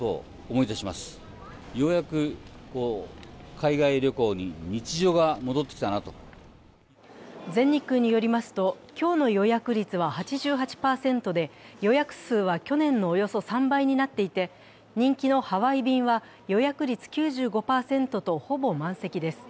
全日空の井上社長は全日空によりますと今日の予約率は８８％で予約数は去年のおよそ３倍になっていて、人気のハワイ便は予約率９５％とほぼ満席です。